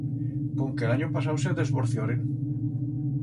Conque l'anyo pasau se desvorcioren.